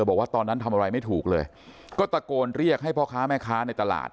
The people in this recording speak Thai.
บอกว่าตอนนั้นทำอะไรไม่ถูกเลยก็ตะโกนเรียกให้พ่อค้าแม่ค้าในตลาด